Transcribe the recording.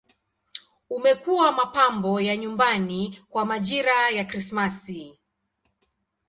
Umekuwa mapambo ya nyumbani kwa majira ya Krismasi.